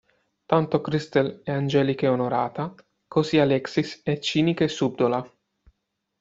Tanto Krystle è angelica e onorata, così Alexis è cinica e subdola.